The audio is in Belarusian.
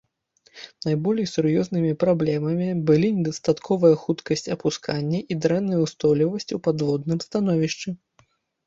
Найболей сур'ёзнымі праблемамі былі недастатковая хуткасць апускання і дрэнная ўстойлівасць у падводным становішчы.